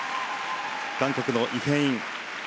韓国のイ・ヘイン。